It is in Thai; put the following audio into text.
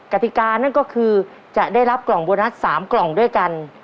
กติกานั่นก็คือจะได้รับกล่องโบนัส๓กล่องด้วยกัน